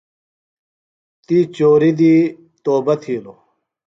تی چوری دی توبہ تِھیلوۡ۔